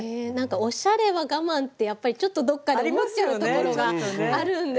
「おしゃれは我慢」ってやっぱりどっかで思っちゃうところがあるんですけど。